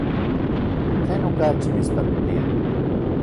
¿Tlen okachi mitspaktia?